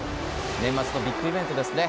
年末のビッグイベントですね。